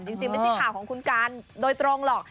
จริงไม่ใช่ข่าวของคุณการโดยตรงหรอก